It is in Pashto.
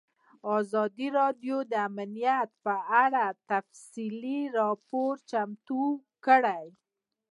ازادي راډیو د امنیت په اړه تفصیلي راپور چمتو کړی.